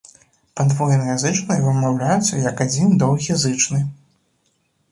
Падвойныя зычныя вымаўляюцца як адзін доўгі зычны.